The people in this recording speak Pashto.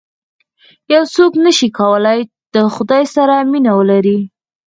یو څوک نه شي کولای د خدای سره مینه ولري.